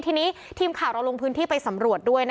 ทีนี้ทีมข่าวเราลงพื้นที่ไปสำรวจด้วย